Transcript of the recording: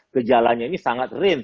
gejalanya ini sangat range